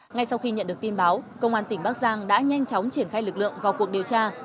ngay sau khi nhận được tin báo công an tỉnh bắc giang đã nhanh chóng triển khai lực lượng vào cuộc điều tra